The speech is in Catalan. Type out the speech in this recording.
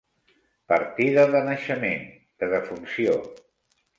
Partida de naixement, de defunció.